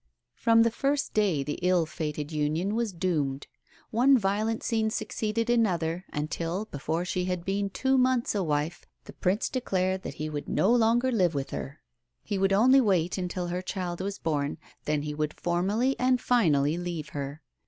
From the first day the ill fated union was doomed. One violent scene succeeded another, until, before she had been two months a wife, the Prince declared that he would no longer live with her. He would only wait until her child was born; then he would formally and finally leave her.